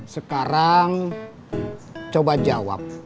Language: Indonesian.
sekarang coba jawab